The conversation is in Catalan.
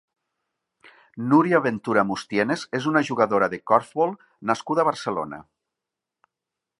Núria Ventura Mustienes és una jugadora de corfbol nascuda a Barcelona.